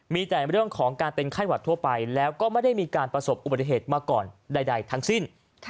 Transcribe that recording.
มีแต่เรื่องของการเป็นไข้หวัดทั่วไปแล้วก็ไม่ได้มีการประสบอุบัติเหตุมาก่อนใดทั้งสิ้น